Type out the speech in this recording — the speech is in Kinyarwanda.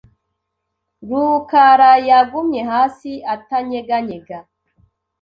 rukarayagumye hasi atanyeganyega.